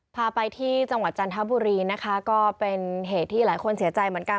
พาไปที่จังหวัดจันทบุรีนะคะก็เป็นเหตุที่หลายคนเสียใจเหมือนกัน